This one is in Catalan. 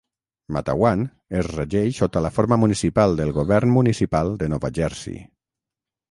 Matawan es regeix sota la forma municipal del govern municipal de Nova Jersey.